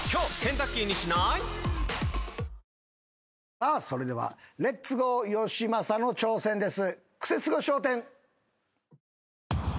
さあそれではレッツゴーよしまさの挑戦です。